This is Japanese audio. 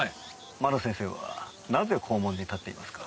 真野先生はなぜ校門に立っていますか？